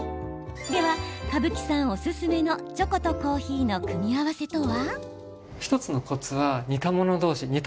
では、蕪木さんおすすめのチョコとコーヒーの組み合わせとは？